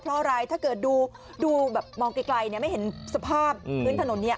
เพราะอะไรถ้าเกิดดูแบบมองไกลไม่เห็นสภาพพื้นถนนเนี่ย